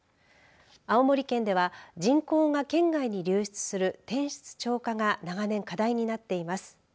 青森県では人口が県外に流出する転出超過が長年課題になっています。